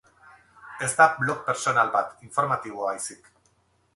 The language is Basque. Ez da blog pertsonal bat, informatiboa baizik.